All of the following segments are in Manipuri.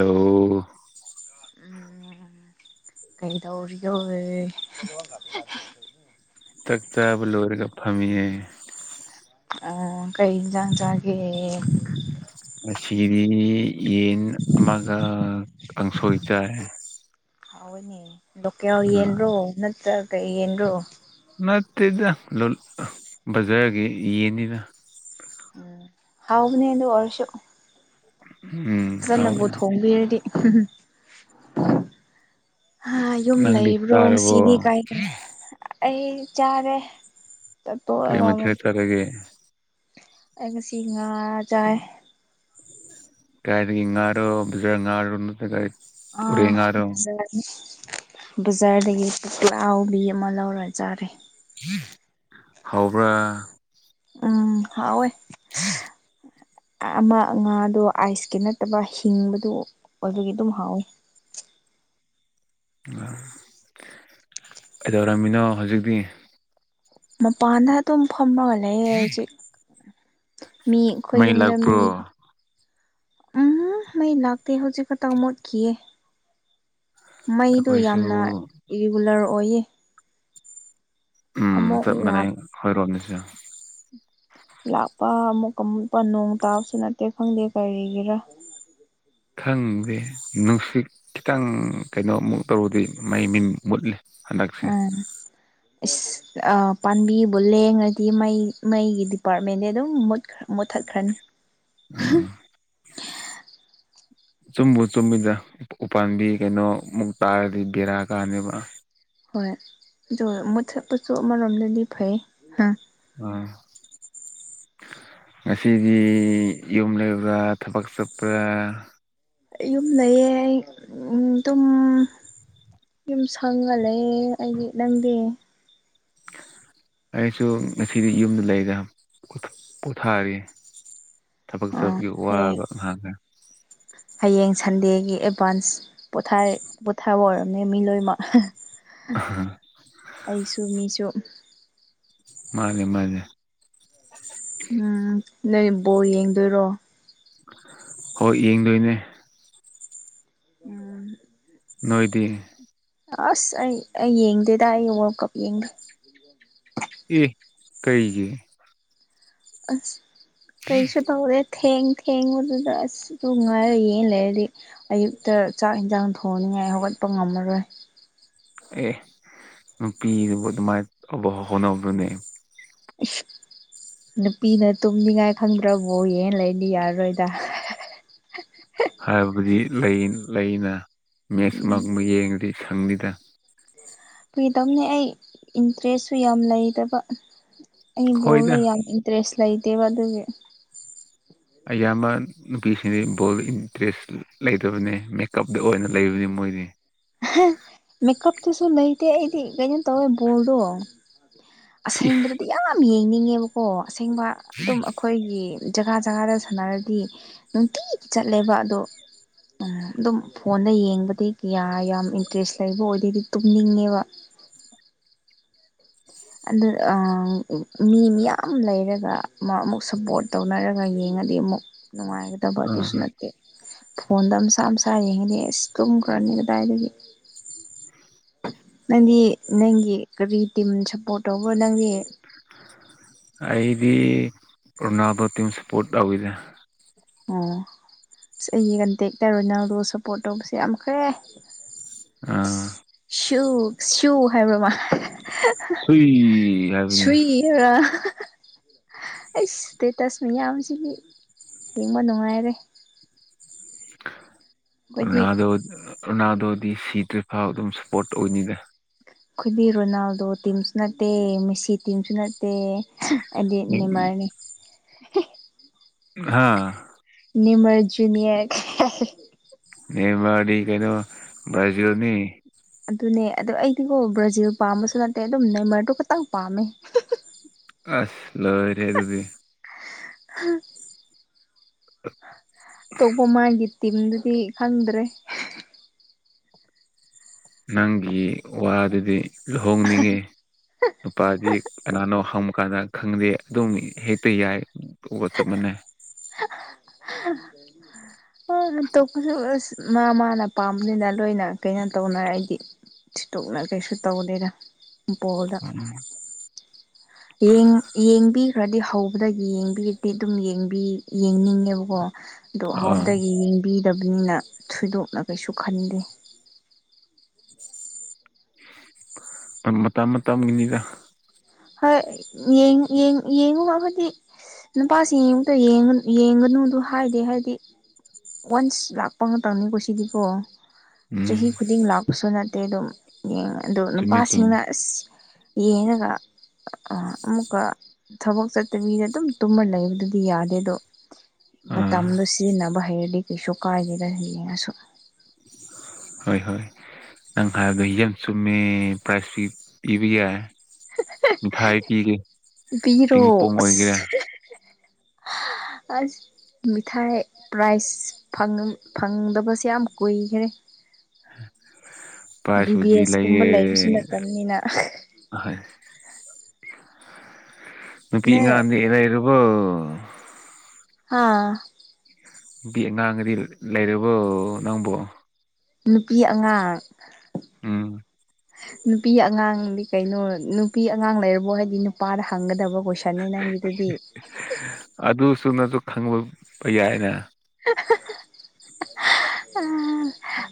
ꯑꯣ ꯀꯩꯗꯧꯔꯤꯌ ꯆꯥꯛ ꯆꯥꯕ ꯂꯣꯏꯔꯒ ꯐꯝꯃꯤꯌꯦ꯫ ꯑ ꯀꯩ ꯏꯟꯖꯥꯡ ꯆꯥꯒꯦ? ꯉꯁꯤꯗꯤ ꯌꯦꯟ ꯑꯃꯒ ꯀꯥꯡꯁꯣꯏ ꯆꯥꯏ꯫ ꯍꯅꯦ ꯂꯣꯀꯎ ꯌꯦꯟ꯭ꯔꯣ ꯅꯠꯇ꯭ꯔ ꯀꯩ ꯌꯦꯟ꯭ꯔꯣ ꯅꯠꯇꯦꯗ ꯕꯖꯥꯔꯒꯤ ꯌꯦꯟꯅꯤꯅ ꯎꯝ ꯍꯥꯎꯕꯅꯦ ꯑꯗꯨ ꯑꯣꯏꯔꯁꯨ ꯎꯝ ꯍꯥꯎꯋꯦ ꯐꯖꯅꯕꯨ ꯊꯣꯡꯕꯤꯔꯗꯤ ꯍ-ꯍꯝ ꯑ ꯌꯨꯝ ꯅꯪꯗꯤ ꯂꯩꯕ꯭ꯔꯣ ꯆꯥꯔꯕꯣ ꯅꯨꯡꯁꯤꯗꯤ ꯀꯥꯏ ꯀꯥꯏ ꯑꯩ ꯆꯥꯔꯦ ꯀꯩ ꯆꯥꯠꯇꯣꯛꯑꯒ ꯃ ꯍ ꯑꯃꯨꯛ ꯇꯔꯒ ꯑꯩ ꯉꯁꯤ ꯉꯥ ꯆꯥꯏ ꯀꯥꯏ ꯏꯉꯥꯔꯣ ꯉꯥꯏꯔꯅ ꯀ ꯑꯅꯤ ꯕꯖꯥꯔꯗꯒꯤꯍꯥꯎꯕꯤ ꯑꯃ ꯂꯧꯔ ꯆꯥꯔꯦ ꯍꯧꯕ꯭ꯔꯥ ꯎꯝ ꯍꯥꯎꯋꯦ꯫ ꯑꯃ ꯉꯥꯗꯣ ꯑꯥꯏꯁꯀꯤ ꯅꯠꯇꯕ ꯍꯤꯡꯕꯗꯨ ꯑꯣ ꯑꯗꯨꯒꯤ ꯑꯗꯨꯝ ꯍꯥꯎꯏ꯫ ꯀꯩꯗꯧꯔꯝꯃꯤꯅꯣ ꯍꯧꯖꯤꯛꯇꯤ ꯃꯄꯥꯟꯗ ꯑꯗꯨꯝ ꯐꯝꯃꯒ ꯂꯩꯌꯦ ꯍꯧꯖꯤꯛ ꯃꯤ ꯑꯩꯈꯣꯏ ꯃꯩ ꯌꯨꯝꯗ ꯂꯥꯛꯄ꯭ꯔꯣ ꯃꯤ ꯎꯝ ꯃꯩ ꯂꯥꯛꯇꯦ ꯍꯧꯖꯤꯛꯀꯛꯇ ꯃꯣꯠꯈꯤꯌꯦ ꯃꯩꯗꯨ ꯑꯩꯈꯣꯏꯁꯨ ꯌꯥꯝꯅ ꯏꯔꯤꯒꯨꯂꯔ ꯑꯣꯏꯌꯦ ꯎꯝ ꯑꯃꯨꯛ ꯆꯞ ꯂꯥꯛ ꯃꯥꯟꯅꯩ ꯍꯣꯏꯔꯣꯝꯃꯤꯁꯨ ꯂꯥꯛꯄ ꯑꯃꯨꯛꯀ ꯑꯃꯨꯛꯀ ꯅꯣꯡ ꯇꯥꯕꯁꯨ ꯅꯠꯇꯦ ꯈꯪꯗꯦ ꯀꯔꯤꯒꯤꯔꯥ ꯈꯪꯗꯦ ꯅꯨꯡꯁꯤꯠ ꯈꯤꯇꯪ ꯀꯩꯅꯣꯃꯨꯛ ꯇꯧꯔꯗꯤ ꯃꯩ ꯃꯤꯟ ꯃꯨꯠꯂꯦ ꯍꯟꯗꯛꯁꯦ ꯑ ꯄꯥꯝꯕꯤꯕꯨ ꯂꯦꯡꯉꯗꯤ ꯃꯩ ꯃꯩꯒꯤ ꯗꯤꯄꯥꯔꯠꯃꯦꯟꯦ ꯑꯗꯨꯝ ꯃꯨꯠꯈ ꯃꯨꯠꯊꯠꯈ꯭ꯔꯅꯤ ꯎꯝ [unintelligible] ꯆꯨꯝꯕꯨ ꯆꯨꯝꯃꯤꯗ ꯎꯄꯥꯝꯕꯤ ꯀꯩꯅꯣ ꯃꯨꯛꯇ ꯍꯥꯏꯔꯗꯤ ꯕꯦꯔꯥ ꯀꯥꯅꯦꯕ꯫ ꯍꯣꯏ ꯑ ꯃꯨꯊꯠꯄꯁꯨ ꯑꯃꯔꯣꯝꯗꯗꯤ ꯐꯩꯝ ꯑꯥ ꯉꯁꯤꯗꯤ ꯌꯨꯝ ꯂꯩꯕ꯭ꯔꯥ ꯊꯕꯛ ꯆꯠꯄ꯭ꯔꯥ ꯑꯩ ꯌꯨꯝ ꯂꯩꯌꯦ ꯑꯩ ꯎꯝ ꯇꯨꯝ ꯌꯨꯝ ꯁꯪꯉꯜꯂꯦ ꯑꯩꯗꯤ ꯅꯪꯗꯤ ꯑꯩꯁꯨ ꯉꯁꯤꯗꯤ ꯌꯨꯝꯗ ꯂꯩꯗ ꯄꯨꯊꯥꫪꯤ꯫ ꯊꯕꯛ ꯑꯥ ꯆꯨꯕꯒꯤ ꯍꯌꯦꯡ ꯋꯥꯕ ꯉꯥꯡꯈ꯭ꯔ ꯍꯌꯦꯡ ꯁꯟꯗꯦꯒꯤ ꯑꯦꯗꯚꯥꯟꯁ꯫ ꯄꯣꯊꯥꯏ- ꯄꯣꯊꯥꯕ ꯑꯣꯏꫪꯝꯅꯤ ꯃꯤ ꯂꯣꯏꯃꯛ ꯑꯩꯁꯨ ꯃꯤꯁꯨ ꯃꯥꯅꯦ ꯃꯥꯅꯦꯦ ꯎꯝ ꯅꯩ ꯕꯣꯜ ꯌꯦꯡꯗꯣꯏꯔꯣ? ꯍꯣꯏ ꯌꯦꯡꯗꯣꯏꯅꯦ ꯎꯝ ꯅꯣꯏꯗꯤ ꯑꯁ ꯑꯩ ꯑꯩ ꯌꯦꯡꯗꯦꯗ ꯑꯩ ꯋꯥꯔꯜ ꯀꯞ ꯌꯦꯡꯗꯦ ꯑꯦ ꯀꯩꯒꯤ ꯑꯁ ꯀꯩꯁꯨ ꯇꯧꯋꯠ ꯊꯦꯡ ꯊꯦꯡꯕꯗꯨꯗ ꯑꯁ ꯑꯗꯨ ꯉꯥꯏꯔ ꯌꯦꯡ ꯂꯩꯔꯗꯤ ꯑꯌꯨꯛꯇ ꯆꯥꯛ ꯏꯟꯖꯥꯡ ꯊꯣꯡꯅꯤꯡꯉꯥꯏ ꯍꯧꯒꯠꯄ ꯉꯝꯃꯔꯣꯏ꯫ ꯑꯦ ꯅꯨꯄꯤꯗꯨꯕꯨ ꯑꯗꯨꯃꯥꯏꯅ ꯑꯕ ꯍꯧ ꯍꯣꯠꯅꯕꯗꯨꯅꯦ ꯑ ꯅꯨꯄꯤꯅ ꯇꯨꯝꯅꯤꯡꯉꯥꯏ ꯈꯪꯗ꯭ꯔꯕꯣ ꯌꯦ ꯂꯩꯅꯤ ꯌꯥꯔꯔꯣꯏꯗ ꯍꯥꯏꯕꯗꯤ ꯂꯩ ꯂꯩꯅ ꯃꯦꯠꯁ ꯃꯕ ꯌꯦꯡꯉꯗꯤ ꯁꯪꯅꯤꯗ ꯀꯔ꯭ꯤ ꯇꯧꯅꯤ ꯑꯩ ꯏꯟꯇꯔ꯭ꯦꯁꯁꯨ ꯌꯥꯝ ꯂꯩꯗꯕ ꯑꯩ ꯕꯣꯜꯗ ꯍꯣꯏꯗ ꯌꯥꯝ ꯏꯟ ꯗ꯭ꯔꯦꯁ ꯂꯩꯇꯦꯕ ꯑꯗꯨꯒꯤ ꯑꯌꯥꯝꯕ ꯅꯨꯄꯤꯁꯤꯡꯗꯤ ꯕꯣꯜꯗ ꯏꯟꯇꯔꯦꯁ ꯂꯩꯇꯕꯅꯤ ꯃꯦꯀꯞꯇ ꯑꯣꯏꯅ ꯂꯩꯕꯅꯤ ꯃꯣꯏꯗꯤ ꯃꯦꯀꯞ ꯇꯁꯨ ꯂꯩꯇ ꯏꯗꯤ ꯀ ꯇꯧ ꯣꯜꯗꯣ ꯑꯁꯦꯡꯕꯗꯗꯤ ꯌꯥꯝ ꯌꯦꯡꯅꯤꯡꯉꯦꯕꯀꯣ ꯑꯁꯦꯡꯕ ꯑꯗꯨꯝ ꯑꯩꯈꯣꯏꯒꯤ ꯖꯒꯥ ꯖꯒꯥꯗ ꯁꯥꯟꯅꯔꯗꯤ ꯅꯨꯡꯇꯤꯛ ꯆꯠꯂꯦꯕ ꯑꯗꯣ ꯑꯗꯨꯝ ꯐꯣꯟꯗ ꯌꯦꯡꯕꯗꯤ ꯀꯌꯥ ꯌꯥꯝ ꯏꯟꯇꯔꯦꯁ ꯂꯩꯕ ꯑꯣꯏꯗꯣꯏꯗꯤ ꯇꯨꯝꯅꯤꯡꯉꯦꯕ ꯑꯗꯨ ꯃꯤ ꯃꯌꯥꯝ ꯂꯩꯔꯒ ꯑꯃꯨꯛ ꯁꯞꯄꯣꯔꯠ ꯇꯧꯅꯔꯒ ꯌꯦꯡꯉꯗꯤ ꯑꯃꯨꯛ ꯅꯨꯡꯉꯥꯏꯅꯤ꯫ ꯠꯇꯕ ꯑ ꯑꯗꯨꯁꯨ ꯅꯠꯇꯦ ꯐꯣꯟꯗ ꯃꯁꯥ ꯃꯁꯥ ꯌꯦꯡꯉꯅꯤ ꯑꯁ ꯇꯨꯝꯈ꯭ꯔꯅꯤ ꯀꯗꯥꯏꯗꯒꯤ ꯅꯪꯗꯤ ꯅꯪꯒꯤ ꯀꯔꯤ ꯇꯤꯝ ꯁꯞꯄꯣꯔꯠ ꯇꯧꯕ꯭ꯔꯣ ꯅꯪꯗꯤ ꯑꯩꯗꯤꯗ ꯇꯝ ꯁꯥꯄꯣꯔꯠ ꯑꯒꯗ ꯑꯣ ꯑꯁ ꯑꯩꯒꯤ ꯀꯟꯇꯦꯛꯇꯔꯣꯏ ꯅꯪꯗꯣ ꯁꯞꯄꯣꯔꯠ ꯇꯧꯕꯁꯦ ꯌꯥꯝꯈ꯭ꯔꯦ ꯑꯥ ꯁꯨ ꯁꯨ ꯍꯥꯏꯕ꯭ꯔꯃ ꯁꯨꯏ ꯍꯥꯏꯕꯅꯦ [unintelligible] ꯑꯩꯏ ꯏꯁꯇꯦꯇꯁ ꯃꯌꯥꯝꯁꯤꯗꯤ ꯌꯦꯡꯕ ꯅꯨꯡꯉꯥꯏꯔꯦ꯫ ꯑꯩꯈꯣꯏꯗꯤ ꯅꯥꯗ ꯔꯅꯥꯗꯣꯗꯤ ꯁꯤꯗ꯭ꯔꯤꯐꯥꯎ ꯑꯗꯨꯝ ꯁꯄꯣꯔꯠ ꯇꯧꯒꯅꯤꯗ ꯑꯩꯈꯣꯏꯗꯤ ꯔꯣꯅꯥꯜꯗꯣ ꯇꯤꯝꯁꯨ ꯅꯠꯇꯦ ꯃꯦꯁꯤ ꯇꯤꯝꯁꯨ ꯅꯠꯇꯦ ꯑꯩꯗꯤ ꯅꯦꯃꯥꯔꯅꯦ ꯍꯥꯥ ꯅꯤꯃꯔ ꯖꯨꯅꯤꯌꯔ ꯅꯦꯕꯥꯔꯗꯤ ꯀꯩꯅꯣ ꯕ꯭ꯔꯥꯖꯤꯜ ꯅꯦ ꯑꯗꯨꯅꯦ ꯑꯗꯨꯗ ꯑꯩꯗꯤꯀꯣ ꯕ꯭ꯔꯥꯖꯤꯜ ꯄꯥꯝꯕꯁꯨ ꯅꯠꯇꯦ ꯑꯗꯨꯝ ꯅꯦꯃꯔꯗꯨ ꯈꯠꯇꯪ ꯄꯥꯝꯃꯦ ꯑꯁ ꯂꯣꯏꯔꯦꯍꯦ ꯑꯗꯨꯗꯤ꯫ [unintelligible] ꯑꯇꯣꯞꯄ ꯃꯥꯒꯤ ꯇꯤꯝꯗꯨꯗꯤ ꯈꯪꯗ꯭ꯔꯦ ꯅꯪꯒꯤ ꯋꯥꯗꯨꯗꯤ ꯂꯨꯍꯣꯡꯅꯤꯡꯉꯤ ꯅꯨꯄꯥꯗꯤ ꯀꯅꯥꯅꯣ ꯍꯪꯃꯀꯥꯟꯗ ꯈꯪꯗꯦ ꯑꯗꯨꯝ ꯍꯦꯛꯇ ꯌꯥꯏ ꯇꯣꯛꯑꯣ ꯆꯃꯅꯦ ꯇꯣꯛꯄꯁꯨ ꯑꯁ ꯃꯥ ꯃꯥꯅ ꯄꯥꯝꯕꯅꯤꯅ ꯂꯣꯏꯅ ꯀꯩꯅꯣ ꯇꯧꯅꯔ ꯑꯩꯗꯤ ꯊꯤꯠꯇꯣꯛꯅ ꯀꯩꯁꯨ ꯇꯧꯗꯦꯗ ꯕꫭꯜꯗ ꯌꯦꯡꯕꯤꯈ꯭ꯔꯗꯤ ꯍꯧꯕꯗ ꯌꯦꯡꯕꯤꯔꯗꯤ ꯑꯗꯨꯝ ꯌꯦꯡꯅꯤꯡꯉꯦꯕꯀꯣ ꯑꯗ ꯑꯥ ꯍꯥꯎꯕꯗꯒꯤ ꯌꯦꯡꯕꯤꯗꯕꯅꯤꯅ ꯊꯣꯏꯗꯣꯛꯅ ꯀꯩꯁꯨ ꯈꯟꯗꯦ ꯃꯇꯝ ꯃꯇꯝꯒꯤꯅꯤꯗ ꯍꯣꯏ ꯌꯦꯡ ꯌꯦꯡ ꯌꯦꯡꯉꯨꯒꯗꯤ ꯅꯨꯄꯥꯁꯤ ꯌꯦꯡ ꯑꯃꯨꯛꯇ ꯌꯦꯡꯒꯅꯨꯗꯨ ꯍꯥꯏꯗꯤ ꯍꯥꯏꯕꯗꯤ ꯋꯥꯟꯁ ꯂꯥꯛꯄ ꯉꯥꯛꯇꯧꯅꯤꯀꯣ ꯁꯤꯗꯤꯀꯣ ꯎꯝ ꯆꯍꯤ ꯈꯨꯗꯤꯡ ꯂꯥꯛꯄꯁꯨ ꯅꯠꯇꯦ ꯑꯗꯨꯝ ꯌꯦꯡ ꯑꯗꯣ ꯆꯨꯝꯃꯦ ꯆꯨꯝꯃꯦ ꯅꯨꯄꯥꯁꯤꯡꯅ ꯑꯁ ꯌꯦꯅꯒ ꯑꯃꯨꯛꯀ ꯊꯕꯛ ꯆꯠꯇꯕꯤꯗ ꯑꯗꯨꯝ ꯇꯨꯝꯃ ꯂꯩꯕꯗꯨꯗꯤ ꯌꯥꯗꯦ ꯑꯗꯣ ꯑꯥ ꯃꯇꯝꯗꯣ ꯁꯤꯖꯤꯟꯅꯕ ꯍꯩꯔꯗꯤ ꯀꯩꯁꯨ ꯀꯥꯏꯗꯦꯗ ꯌꯦ ꯌꯦꯡꯉꯁꯨ ꯍꯣꯏ ꯍꯣꯏ ꯅꯪ ꯍꯥꯏꯗ ꯍꯤꯖ ꯆꯨꯝꯃꯦ ꯄ꯭ꯔꯥꯏꯖ ꯄꯤꯕ ꯌꯥꯏ ꯃꯤꯊꯥꯏ ꯄꯤꯒꯦ ꯄꯤꯔꯣ ꯇꯦꯡꯄꯣꯡ ꯑꯣꯏꯒꯦꯔꯥ ꯑꯁ ꯑꯁ ꯃꯤꯊꯥꯏ ꯄ꯭ꯔꯥꯏꯖ ꯐꯪ ꯐꯪꯗꯕꯁꯦ ꯌꯥꯝ ꯀꯨꯏꯈꯔꯦ ꯕꯤ ꯕꯤ ꯄ꯭ꯔꯥꯏꯖꯄꯨꯗꯤ ꯑꯦꯁ ꯀꯨꯝꯕ ꯂꯩꯕꯁꯨ ꯅꯠꯇꯕꯅꯤꯅ ꯑꯣꯏ ꯅꯨꯄꯤ ꯅꯪ ꯑꯉꯥꯡꯗꯗꯤ ꯂꯩꯔꯕꯣ ꯍꯥꯥ ꯄꯤ ꯑꯉꯥꯡꯒꯗꯤ ꯂꯩꯔꯕꯣ ꯅꯪꯕꯨ ꯅꯨꯄꯤ ꯑꯉꯥꯡ ꯎꯝ ꯅꯨꯄꯤ ꯑꯉꯥꯡꯗꯤ ꯀꯩꯅꯣ ꯅꯨꯄꯤ ꯑꯉꯥꯡ ꯂꯩꯔꯕꯣ ꯍꯥꯏꯗꯤ ꯅꯨꯄꯥꯗ ꯍꯪꯒꯗꯕ ꯀꯣꯏꯁꯟ ꯁꯟꯅꯤ ꯅꯪꯒꯤꯗꯨꯗꯤ ꯑꯗꯨꯁꯨꯅꯖꯨ ꯈꯪꯂꯛꯕ ꯌꯥꯏꯅ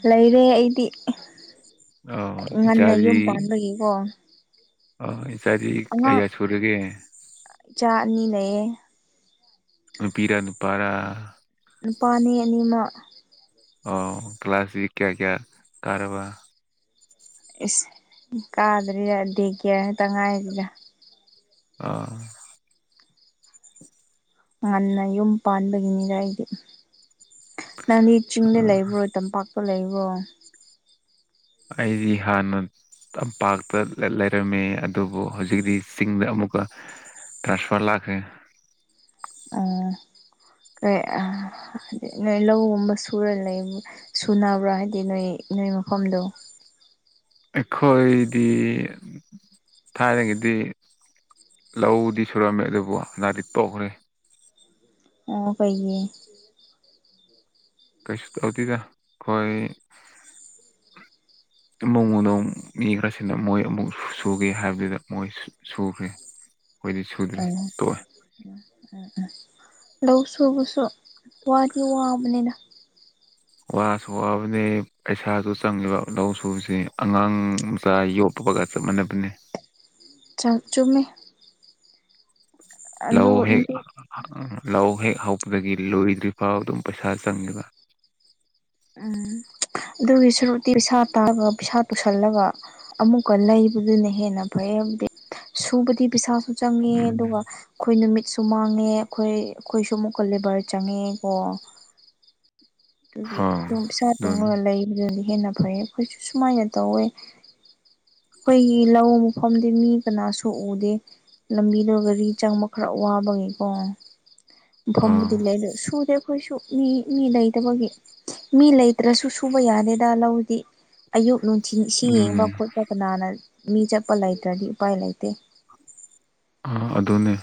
ꯂꯩꯔꯦ ꯑꯩꯗꯤ ꯑꯧ ꯉꯟꯅ ꯌꯨꯝ ꯄꯥꯟꯕꯒꯤꯀꯣ ꯑꯣ ꯏꯆꯥꯗꯤ ꯑꯉꯥꯡ ꯑꯌꯥꯁ ꯄꯨꯨꯔꯒꯤ ꯏꯆꯥ ꯑꯅꯤ ꯂꯩꯌꯦ꯫ ꯅꯨꯄꯤꯔꯥ ꯅꯨꯄꯥꯔꯥ ꯅꯨꯄꯥꯅꯤ ꯑꯅꯤꯃꯛ ꯑꯣ ꯀꯂꯥꯁꯖꯤ ꯀꯌꯥ-ꯀꯌꯥ ꯀꯥꯔꯕ ꯏꯁ ꯀꯥꯗ꯭ꯔꯤ ꯗꯦ ꯀꯤꯌꯥꯔ ꯈꯛꯇ ꯉꯥꯏꯔꯤꯗ ꯑꯥ ꯉꯟꯅ ꯌꯨꯝ ꯄꯥꯟꯕꯒꯤꯅꯤꯗ ꯑꯩꯗꯤ ꯅꯪꯗꯤ ꯆꯤꯡꯗ ꯂꯩꯕ꯭ꯔꯣ ꯇꯝꯄꯥꯛꯇ ꯂꯩꯕ꯭ꯔꯣ ꯑꯩꯗꯤ ꯍꯥꯟꯅ ꯇꯝꯄꯥꯛꯇ ꯂꯩ ꯂꯩꯔꯝꯃꯦ ꯑꯗꯨꯕꯨ ꯍꯧꯖꯤꯛꯇꯤ ꯆꯤꯡꯗ ꯑꯃꯨꯛꯀ ꯇ꯭ꯔꯥꯟꯁꯐꯔ ꯂꯥꯛꯈꯔꯦ ꯑ ꯀꯩ ꯑ ꯅꯣꯏ ꯂꯧꯒꯨꯝꯕ ꯁꯨꯔ ꯂꯩ ꯁꯨꯅꯕ꯭ꯔꯥ ꯍꯥꯏꯗꯤ ꯅꯣꯏ ꯅꯣꯏ ꯃꯐꯝꯗꯣ ꯑꯩꯈꯣꯏꯗꯤ ꯊꯥꯏꯅꯒꯤꯗꯤ ꯂꯧꯗꯤ ꯁꯨꯔꯝꯃꯦ ꯑꯗꯨꯕꯨ ꯍꯟꯗꯛꯇꯤ ꯇꯣꯛꯈꯔꯦ ꯑꯣ ꯀꯩꯒꯤ ꯀꯩꯁꯨ ꯇꯧꯗꯦꯗ ꯈꯣꯏ ꯏꯃꯧꯃꯅꯨꯡ ꯃꯤ ꯈꯔꯁꯤꯅ ꯃꯣꯏ ꯑꯃꯨꯛ ꯁꯨꯒꯦ ꯍꯥꯏꯕꯗꯨꯗ ꯃꯣꯏ ꯁꯨꯈ꯭ꯔꯦ ꯈꯣꯏꯗꯤ ꯁꯨꯗ꯭ꯔꯦ ꯇꯣꯛꯑꯦ ꯎ ꯎꯝ ꯎꯝ ꯂꯧ ꯁꯨꯕꯁꯨ ꯋꯥꯗꯤ ꯋꯥꯕꯅꯤꯗ ꯋꯥꯁꯨ ꯋꯥꯕꯅꯦ ꯄꯩꯁꯥꯁꯨ ꯆꯪꯂꯤꯕ ꯂꯧ ꯁꯨꯕꯁꯤ ꯑꯉꯥꯡ ꯃꯆꯥ ꯌꯣꯛ ꯄꯣꯛꯄꯒ ꯆꯞ ꯃꯥꯟꯅꯕꯅꯦ ꯆ ꯆꯨꯝꯃꯦ ꯑꯗꯨ ꯂꯧ ꯍꯦꯛ ꯑꯗꯨ ꯂꯧ ꯍꯦꯛ ꯍꯧꯕꯗꯒꯤ ꯂꯣꯏꯗ꯭ꯔꯤꯐꯥꯎ ꯑꯗꯨꯝ ꯄꯩꯁꯥ ꯆꯪꯉꯤꯗ ꯎꯝ ꯑꯗꯨꯒꯤ ꯁꯨꯔꯨꯛꯇꯤ ꯄꯩꯁꯥ ꯇꯥꯕ ꯄꯩꯁꯥ ꯄꯨꯁꯜꯂꯒ ꯑꯃꯨꯛꯀ ꯂꯩꯕꯗꯨꯅ ꯍꯦꯟꯅ ꯐꯩꯌꯦꯕꯨꯗꯤ ꯁꯨꯕꯗꯤ ꯄꯩꯁꯥꯁꯨ ꯆꯪꯉꯦ ꯎꯝ ꯑꯗꯨꯒ ꯑꯩꯈꯣꯏ ꯅꯨꯃꯤꯠꯁꯨ ꯃꯥꯡꯉꯦ ꯑꯩꯈꯣꯏ ꯑꯩꯈꯣꯏꯁꯨ ꯑꯃꯨꯛꯀ ꯂꯦꯕꯔ ꯆꯪꯉꯦ ꯀꯣ ꯑꯗꯨꯒꯤ ꯍꯣꯏ ꯑꯗꯨꯝ ꯄꯤꯁꯥ ꯑꯗꯨꯅꯤ ꯇꯣꯡꯉꯒ ꯂꯩꯕꯗꯨꯅ ꯍꯦꯟꯅ ꯐꯩ ꯑꯩꯈꯣꯏꯁꯨ ꯁꯨꯃꯥꯏꯅ ꯇꯧꯋꯦ ꯑꯩꯈꯣꯏꯒꯤ ꯂꯧ ꯃꯐꯝꯗꯤ ꯃꯤ ꯀꯅꯥꯁꯨ ꯎꯗꯦ ꯂꯝꯕꯤꯗꯣ ꯒꯥꯔꯤ ꯆꯪꯕ ꯈꯔ ꯋꯥꯕꯒꯤꯀꯣ ꯑꯥ ꯐꯝꯕꯨꯗꯤ ꯂꯩ ꯑꯗꯨ ꯁꯨꯗꯦ ꯑꯈꯣꯏꯁꯨ ꯃꯤ ꯃꯤ ꯂꯩꯇꯕꯒꯤ ꯃꯤ ꯂꯩꯇ꯭ꯔꯁꯨ ꯁꯨꯕ ꯌꯥꯗꯦꯗ ꯂꯧꯗꯤ ꯑꯌꯨꯛ ꯅꯨꯡ ꯊꯤꯡ ꯏꯁꯤꯡ ꯌꯦꯡꯕ ꯎꯝ ꯈꯣꯠꯄ ꯀꯅꯥꯅ ꯃꯤ ꯆꯠꯄ ꯂꯩꯇ꯭ꯔꯗꯤ ꯎꯄꯥꯏ ꯂꯩꯇꯦ ꯑ ꯑꯗꯨꯅꯦ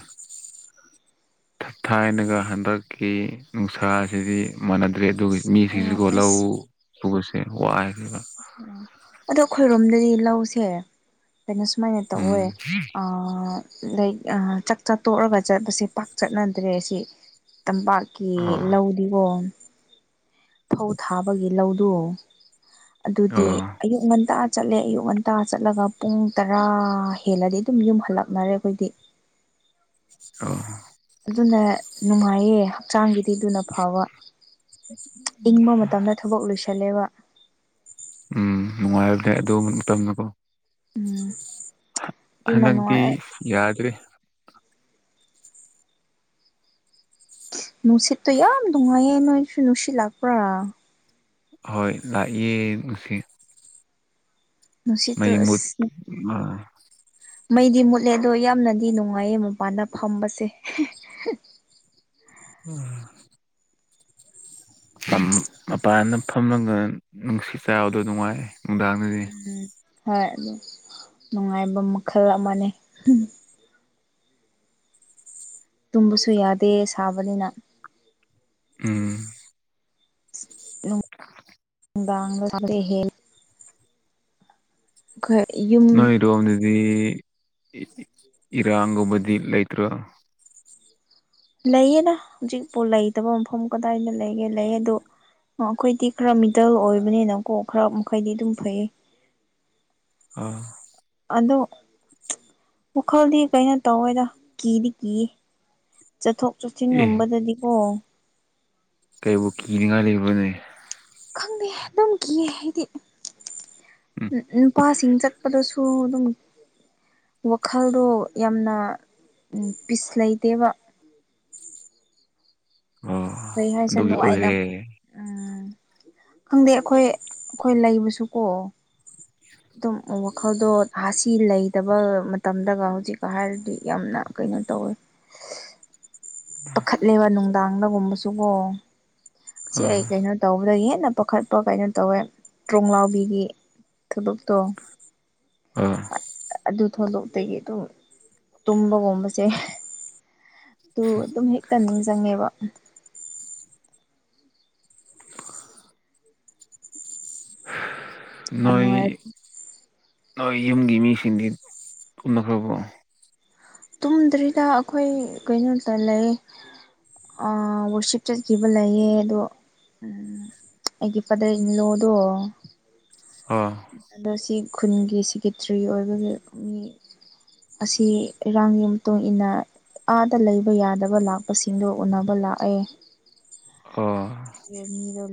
ꯊꯥꯏꯅꯒ ꯍꯟꯗꯛꯀꯤ ꯅꯨꯡꯁꯥ ꯑꯁꯤꯗꯤ ꯃꯥꯟꯅꯗ꯭ꯔꯦ ꯑꯗꯨꯒ ꯑ ꯃꯤꯒꯤꯁꯤꯀꯣ ꯂꯧ ꯑꯁ ꯁꯨꯕꯁꯦ ꯋꯥꯏꯌꯦꯅ ꯑꯣ ꯑꯗꯣ ꯑꯩꯈꯣꯏꯔꯣꯝꯗꯗꯤ ꯂꯧꯁꯦ ꯀꯩꯅꯣ ꯁꯨꯃꯥꯏꯅ ꯇꯧꯋꯦ ꯎꯝ ꯑꯥ ꯂꯥꯏꯛ ꯑ ꯆꯥꯛ ꯆꯥ ꯇꯣꯛꯔꯒ ꯆꯠꯄꯁꯦ ꯄꯥꯛ ꯆꯠꯅꯗ꯭ꯔꯦ ꯁꯤ ꯇꯝꯄꯥꯛ ꯀꯤ ꯑꯥ ꯂꯧꯗꯤꯒꯣ ꯐꯧ ꯊꯥꯕꯒꯤ ꯂꯧꯗꯣ ꯑꯗꯨꯗꯤ ꯑꯥ ꯑꯌꯨꯛ ꯉꯟꯇꯥ ꯆꯠꯂꯦ ꯑꯌꯨꯛ ꯉꯟ ꯇꯥ ꯆꯠꯂꯒ ꯄꯨꯡ ꯇꯔꯥ ꯍꯦꯜꯂꯗꯤ ꯑꯗꯨꯝ ꯌꯨꯝ ꯍꯜꯂꯛꯅꯔꯦ ꯑꯩꯈꯣꯏꯗꯤ ꯑꯧ ꯑꯗꯨꯅ ꯅꯨꯡꯉꯥꯏꯌꯦ ꯍꯛꯆꯥꯡꯒꯤꯗꯤ ꯗꯨꯅ ꯐꯕ ꯏꯪꯕ ꯃꯇꯝꯗ ꯊꯕꯛ ꯂꯣꯏꯁꯜꯂꯦꯕ ꯎꯝ ꯅꯨꯡꯉꯥꯏꯕꯅꯦ ꯑꯗꯨ ꯃꯇꯝꯅꯀꯣ ꯎꯝ ꯑꯗꯨꯅ ꯍꯅꯛꯇꯤ ꯅꯨꯡꯉꯥꯏ ꯌꯥꯗ꯭ꯔꯦ ꯅꯨꯡꯁꯤꯠ ꯇꯣ ꯌꯥꯝꯝ ꯅꯨꯡꯉꯥꯏꯌꯦ ꯅꯣꯏꯁꯨ ꯅꯨꯡꯁꯤꯠ ꯂꯥꯛꯄ꯭ꯔꯥ ꯍꯣꯏ ꯂꯥꯛꯌꯦ ꯉꯁꯤ ꯅꯨꯡꯁꯤꯠꯇꯣ ꯃꯩ ꯃꯨꯠ ꯑꯁ ꯄ ꯃꯩꯗꯤ ꯃꯨꯠꯂꯦ ꯑꯗꯣ ꯌꯥꯝꯅꯗꯤ ꯅꯨꯡꯉꯥꯏꯌꯦ ꯃꯄꯥꯟꯗ ꯐꯝꯕꯁꯦ ꯎꯝ [unintelligible] ꯑꯝ ꯃꯄꯥꯟꯅ ꯐꯝꯃꯒ ꯅꯨꯡꯁꯤ ꯆꯥꯕꯗꯣ ꯅꯨꯡꯉꯥꯏ ꯅꯨꯡꯗꯥꯡꯗꯗꯤ ꯎꯝ ꯍꯣꯏ ꯅꯨꯡꯉꯥꯏꯕ ꯃꯈꯜ ꯑꯃꯅꯦ ꯇꯨꯝꯕꯁꯨ ꯌꯥꯗꯦ ꯁꯥꯕꯅꯤꯅ ꯎꯝ ꯭ꯂꯥ ꯍꯦꯜ ꯑꯩꯈꯣꯏ ꯌꯨꯝ ꯑꯗꯣꯝꯗꯗꯤ ꯏꯔꯥꯡꯒꯨꯝꯕꯗꯤ ꯂꯩꯇ꯭ꯔꯣ ꯂꯩꯌꯦꯅ ꯍꯧꯖꯤꯛꯄꯨ ꯂꯩꯇꯕ ꯃꯐꯝ ꯀꯗꯥꯏꯗ ꯂꯩꯒꯦ ꯂꯩꯌꯦ ꯑꯗꯣ ꯑꯩꯈꯣꯏꯗꯤ ꯈꯔ ꯃꯤꯗꯜ ꯑꯣꯏꯕꯅꯤꯅꯀꯣ ꯈꯔ ꯃꯈꯩꯗꯤ ꯑꯗꯨꯝ ꯐꯩ ꯑꯣ ꯑꯗꯣ ꯋꯥꯈꯜꯗꯤ ꯀꯩꯅꯣ ꯇꯧꯋꯦꯗ ꯀꯤꯗꯤ ꯀꯤꯌꯦ ꯆꯠꯊꯣꯛ ꯑꯦ ꯆꯠꯁꯤꯟꯒꯨꯝꯕꯗꯗꯤꯀꯣ ꯀꯩꯕꯨ ꯀꯤꯅꯤꯡꯉ ꯂꯩꯕꯅꯦ ꯈꯪꯗꯦ ꯑꯗꯨꯝ ꯀ ꯍꯥꯏꯗꯤ ꯎꯝ ꯅꯨꯄꯥꯁꯤꯡ ꯆꯠꯄꯗꯁꯨ ꯑꯗꯨꯝ ꯋꯥꯈꯜꯗꯣ ꯌꯥꯝꯅ ꯄꯤꯁ ꯂꯩꯇꯦꯕ ꯑꯣ ꯀꯩ ꯑꯗꯨꯒꯤ ꯍꯥꯏꯁꯅꯣꯉꯥꯏꯅ ꯑꯣꯏꯔꯦ ꯎꯝ ꯈꯪꯗꯦ ꯑꯩꯈꯣꯏ ꯑꯩꯈꯣꯏ ꯂꯩꯕꯁꯨ ꯀꯣ ꯑꯗꯨꯝ ꯋꯥꯈꯜꯗꯣ ꯍꯥꯁꯤ ꯂꯩꯇꯕ ꯃꯇꯝꯗꯒ ꯍꯧꯖꯤꯛꯀ ꯍꯥꯏꯔꯗꯤ ꯌꯥꯝꯅ ꯀꯩꯅꯣ ꯇꯧꯋꯤ ꯄꯥꯈꯠꯂꯦꯕ ꯅꯨꯡꯗꯥꯡꯗꯒꯨꯝꯕꯁꯨꯀꯣ ꯁꯤ ꯑꯥ ꯑꯩ ꯀꯩꯅꯣ ꯇꯧꯕꯗ ꯍꯦꯟꯅ ꯄꯥꯈꯠꯄ ꯀꯩꯅꯣ ꯇꯧꯋꯦ ꯄ꯭ꯔꯣꯡꯂꯥꯎꯕꯤꯒꯤ ꯊꯂꯞ ꯇꯣ ꯑꯥ ꯑꯗꯨ ꯊꯣꯡꯗꯣꯛꯇꯒꯤ ꯑꯗꯨꯝ ꯇꯨꯝꯕꯒꯨꯝꯕꯁꯦ ꯑꯗꯨ ꯑꯗꯨꯝ ꯍꯦꯛꯇ ꯅꯤꯡꯁꯤꯡꯪꯉꯦꯕ ꯌꯥꯝꯅꯅꯨꯡꯥꯏ ꯍꯣꯏ ꯌꯨꯝꯒꯤ ꯃꯤꯁꯤꯡꯗꯤ ꯀꯅꯈ꯭ꯔꯕ꯭ꯔꯣ ꯇꯨꯝꯗ꯭ꯔꯤꯗ ꯑꯩꯈꯣꯏ ꯀꯩꯅꯣꯇ ꯂꯩ ꯋꯔꯁꯤꯞ ꯆꯠꯈꯤꯕ ꯂꯩꯌꯦ ꯑꯗꯣ ꯑꯩꯒꯤ ꯏ ꯄꯗꯩ ꯅꯤꯡꯂꯣꯗꯣ ꯎꯝ ꯑꯗꯣ ꯁꯤ ꯈꯨꯟꯒꯤ ꯁꯦꯀꯦꯇ꯭ꯔꯤ ꯑꯣꯏꯕꯒꯤ ꯃꯤ ꯑꯁꯤ ꯏꯔꯥꯡꯒꯤ ꯃꯇꯨꯡ ꯏꯟꯅ ꯑꯥꯗ ꯂꯩꯕ ꯌꯥꯗꯕ ꯂꯥꯛꯄꯁꯤꯡꯗꯣ ꯎꯅꯕ ꯂꯥꯛꯑꯦ ꯑꯣ ꯃꯤꯗꯣ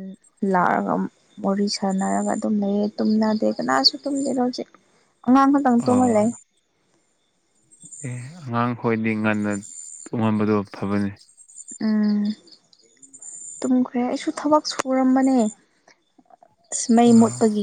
ꯂꯥꯛꯑꯒ ꯋꯥꯔꯤ ꯁꯥꯟꯅꯔꯒ ꯑꯗꯨꯝ ꯂꯩꯌꯦ ꯇꯨꯝꯅꯗꯦ ꯀꯅꯥꯁꯨ ꯇꯨꯝꯗꯦꯅꯣ ꯍꯧꯖꯤꯛ ꯉꯪꯉꯪ ꯁꯪ ꯇꯨ ꯑꯥ ꯃꯂꯦ ꯑꯉꯥꯡ ꯈꯣꯏꯗꯤ ꯉꯟꯅ ꯇꯣꯡꯍꯝꯕꯗꯣ ꯐꯕꯅꯤ ꯎꯝ ꯇꯨꯝꯈ꯭ꯔꯦ ꯑꯩꯁꯨ ꯊꯕꯛ ꯁꯨꯔꯝꯕꯅꯦ ꯏꯁꯃꯩ ꯑꯥ ꯃꯣꯠꯄꯒꯤ